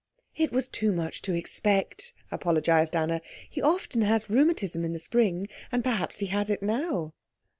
"It was too much to expect," apologised Anna. "He often has rheumatism in the spring, and perhaps he has it now."